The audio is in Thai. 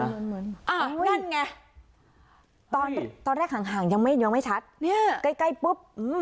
อ่านั่นไงตอนแรกห่างยังไม่ชัดใกล้ปุ๊บ